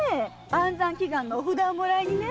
安産祈願のお札をもらいに。